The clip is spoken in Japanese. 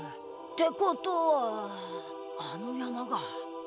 ってことはあのやまが。